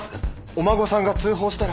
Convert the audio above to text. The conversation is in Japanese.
お孫さんが通報したら。